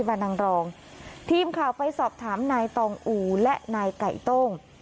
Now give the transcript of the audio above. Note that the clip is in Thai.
นางรองทีมข่าวไปสอบถามนายตองอูและนายไก่โต้ง